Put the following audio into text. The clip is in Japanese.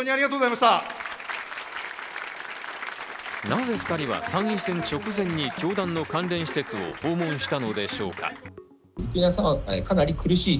なぜ２人は参院選直前に教団の関連施設を訪問したのでしょうか？